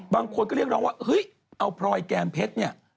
บางคนก็เรียกร้องว่าเฮ้ยเอาพลอยแก้มเพชรเนี่ย